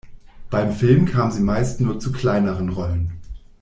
Beim Film kam sie meist nur zu kleineren Rollen.